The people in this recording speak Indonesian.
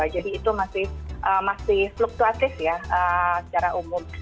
jadi itu masih fluktuatif ya secara umum